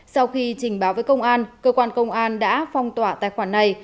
sau khi trình báo với công an cơ quan công an đã phong tỏa tài khoản này